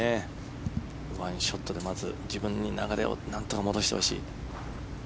１ショットでまず自分に流れを戻してほしい。